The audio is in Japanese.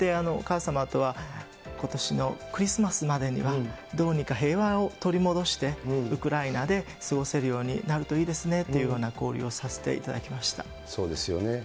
お母様とはことしのクリスマスまでには、どうにか平和を取り戻して、ウクライナで過ごせるようになるといいですねという交流をさせてそうですよね。